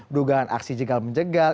dugaan aksi jegal menjegal